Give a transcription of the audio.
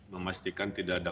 memastikan tidak ada